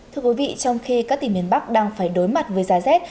thưa quý vị trong khi các tỉnh miền bắc đang phải đối mặt với giá rét